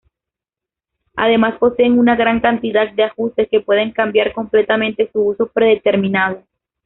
Además poseen una gran cantidad de ajustes que pueden cambiar completamente su uso predeterminado.